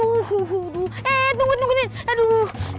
eh tungguin tungguin ini aduh